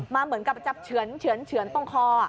มาเหมือนกับเฉือนตรงคอ